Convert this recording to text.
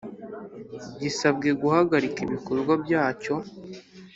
gisabwe guhagarika ibikorwa byacyo